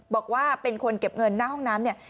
บอกว่าเป็นคนเก็บเงินหน้าห้องน้ำเนี่ย